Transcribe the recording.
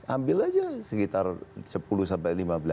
ambil aja sekitar sepuluh sampai lima belas